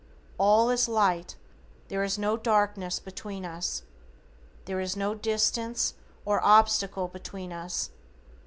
All is light, there is no darkness between us. There is no distance, or obstacle between us.